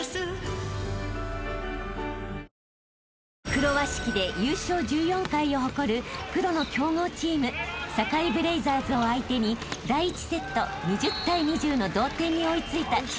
［黒鷲旗で優勝１４回を誇るプロの強豪チーム堺ブレイザーズを相手に第１セット２０対２０の同点に追い付いた鎮西高校］